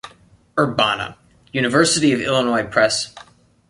Urbana: University of Illinois Press.